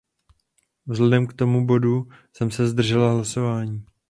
Vzhledem k tomuto bodu jsem se zdržela hlasování.